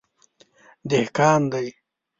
_دهقان دی.